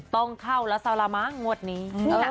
๑๕๕๑ต้องเข้าแล้วสารมะงวดนี้